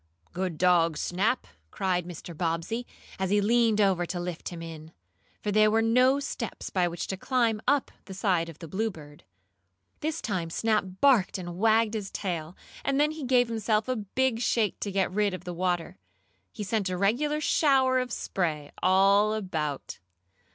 "Good dog, Snap!" cried Mr. Bobbsey, as he leaned over to lift him in, for there were no steps by which to climb up the side of the Bluebird. This time Snap barked and wagged his tail, and then he gave himself a big shake to get rid of the water. He sent a regular shower of spray all about.